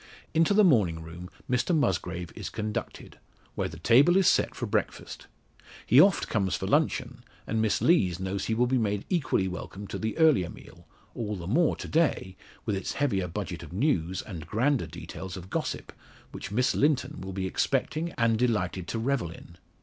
Into the morning room Mr Musgrave is conducted, where the table is set for breakfast. He oft comes for luncheon, and Miss Lees knows he will be made equally welcome to the earlier meal; all the more to day, with its heavier budget of news, and grander details of gossip, which Miss Linton will be expecting and delighted to revel in.